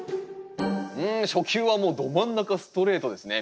うん初球はもうど真ん中ストレートですね。